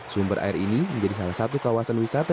sumber air ini menjadi salah satu kawasan wisata